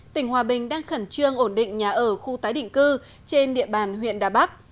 tỉnh hòa bình đang khẩn trương ổn định nhà ở khu tái định cư trên địa bàn huyện đà bắc